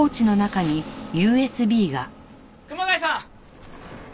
熊谷さん！